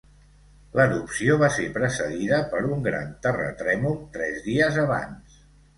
L'erupció va ser precedida per un gran terratrèmol, tres dies abans.